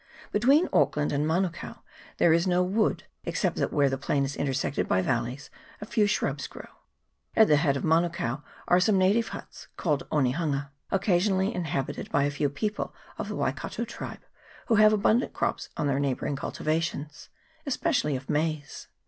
Between Auckland and Manukao there is no wood, excepting that where the plain is intersected by valleys a few shrubs grow. At the head of Manukao are some native huts, called Onehunga, occasionally inhabited by a few people of the Wai kato tribe, who have abundant crops on their neigh bouring cultivations, especially of maize.